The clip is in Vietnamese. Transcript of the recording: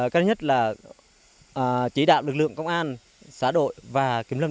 cái nhất là chỉ đạo lực lượng công an xã đội và kiểm lâm địa phương